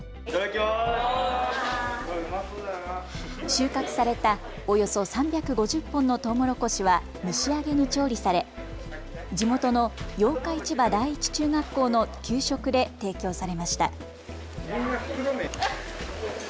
収穫されたおよそ３５０本のトウモロコシは蒸し上げに調理され地元の八日市場第一中学校の給食で提供されました。